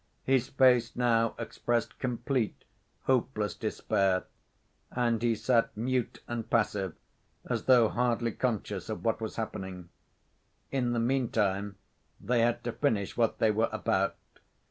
His face now expressed complete, hopeless despair, and he sat mute and passive as though hardly conscious of what was happening. In the meantime they had to finish what they were about.